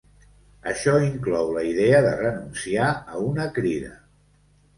Això inclou la idea de renunciar a una crida.